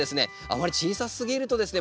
あまり小さすぎるとですね